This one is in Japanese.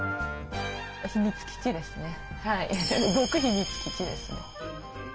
秘密基地ですね。